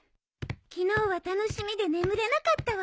昨日は楽しみで眠れなかったわ。